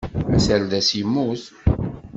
Aserdas yemmut.